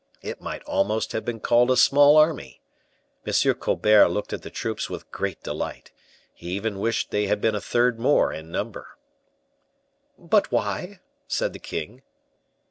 It might almost have been called a small army. M. Colbert looked at the troops with great delight: he even wished they had been a third more in number. "But why?" said the king.